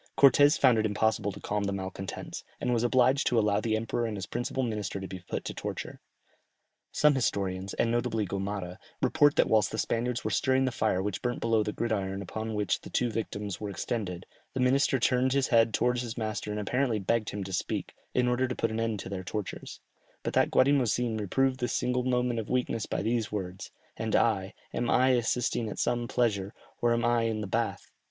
Cortès found it impossible to calm the malcontents, and was obliged to allow the emperor and his principal minister to be put to the torture. Some historians, and notably Gomara, report that whilst the Spaniards were stirring the fire which burnt below the gridiron upon which the two victims were extended, the minister turned his head towards his master and apparently begged him to speak, in order to put an end to their tortures; but that Guatimozin reproved this single moment of weakness by these words, "And I, am I assisting at some pleasure, or am I in the bath?"